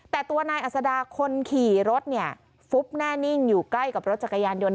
แต่ตัวนายอัศดาคนขี่รถเนี่ยฟุบแน่นิ่งอยู่ใกล้กับรถจักรยานยนต